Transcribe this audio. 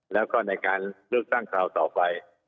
แล้วก็ในการเลือกตั้งคราวต่อไป